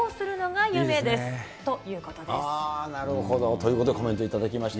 あー、なるほど、ということで、コメント頂きました。